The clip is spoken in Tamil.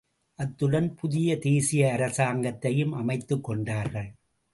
அத்துடன் புதிய தேசிய அரசாங்கத்தையும் அமைத்துக்கொண்டார்கள்.